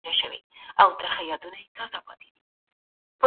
د یوناني طبابت اغېزه د درملو پر تجارت څه وه؟